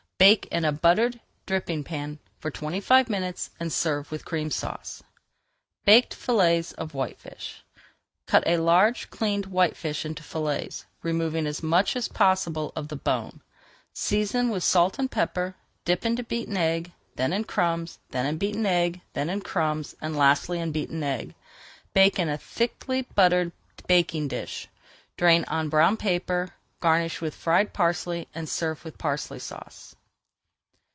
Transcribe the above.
Bake in a buttered dripping pan for twenty five minutes and serve with Cream Sauce. BAKED FILLETS OF WHITEFISH Cut a large cleaned whitefish into fillets, removing as much as possible of the bone. Season with salt and pepper, dip into beaten egg, then in crumbs, then in beaten egg, then in crumbs, and lastly [Page 444] in beaten egg. Bake in a thickly buttered baking dish, drain on brown paper, garnish with fried parsley, and serve with Parsley Sauce.